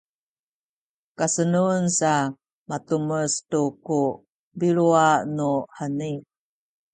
kasenun sa matumes tu ku biluwa nuheni